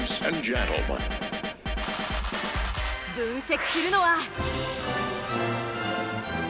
分析するのは。